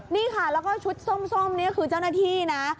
นี่ค่ะแล้วก็ชุดส้มนี่คือเจ้าหน้าที่นะ